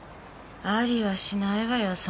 ありはしないわよ